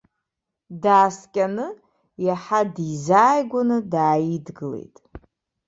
Дааскьаны, иаҳа дизааигәаны дааидгылеит.